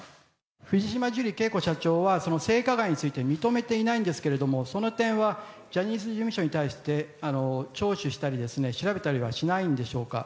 藤島ジュリー景子社長は、その性加害について認めていないんですけれども、その点はジャニーズ事務所に対して聴取したりですね、調べたりはしないんでしょうか。